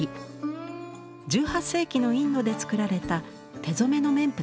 １８世紀のインドで作られた手染めの綿布です。